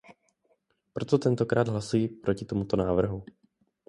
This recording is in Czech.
Proto tentokrát hlasuji proti tomuto návrhu.